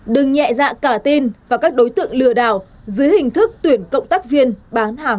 đừng nhẹ dạ cả tin và các đối tượng lừa đảo dưới hình thức tuyển cộng tác viên bán hàng